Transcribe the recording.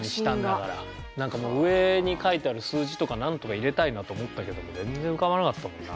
何かもう上に書いてある数字とか何とか入れたいなと思ったけども全然浮かばなかったもんな。